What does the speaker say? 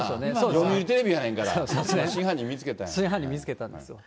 読売テレビやねんから、真犯真犯人見つけたんですよ。